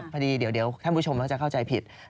พอดีเดี๋ยวท่านผู้ชมก็จะเข้าใจผิด